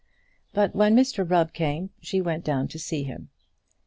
But when Mr Rubb came, she went down to see him.